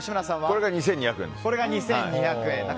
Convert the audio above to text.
これが２２００円。